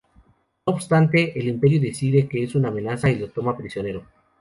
No obstante, el Imperio decide que es una amenaza y lo toma prisionero.